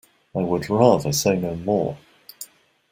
I would rather say no more.